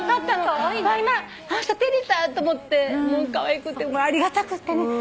今あの人照れた！と思ってかわいくてありがたくってね。